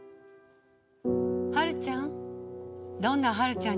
はるちゃん